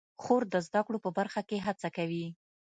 خور د زده کړو په برخه کې هڅه کوي.